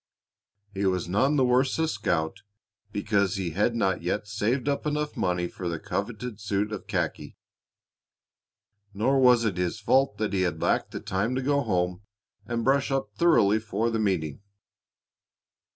He was none the worse a scout because he had not yet saved up enough money for that coveted suit of khaki. Nor was it his fault that he had lacked the time to go home and brush up thoroughly for the meeting.